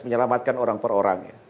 menyelamatkan orang per orang